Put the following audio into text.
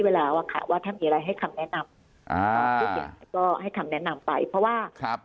ไว้แล้วค่ะว่าถ้ามีอะไรให้คำแนะนำก็ให้คำแนะนำไปเพราะว่า